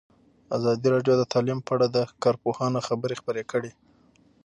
ازادي راډیو د تعلیم په اړه د کارپوهانو خبرې خپرې کړي.